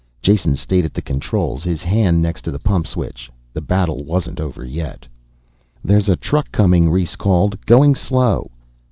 Jason stayed at the controls, his hand next to the pump switch. The battle wasn't over yet. "There's a truck coming," Rhes called, "going slow."